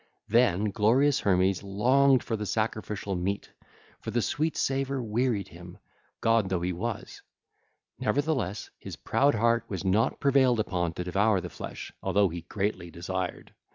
Then glorious Hermes longed for the sacrificial meat, for the sweet savour wearied him, god though he was; nevertheless his proud heart was not prevailed upon to devour the flesh, although he greatly desired 2519.